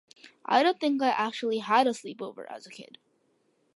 I don't think I actually had a sleepover as a kid.